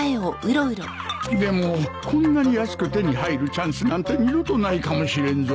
でもこんなに安く手に入るチャンスなんて二度とないかもしれんぞ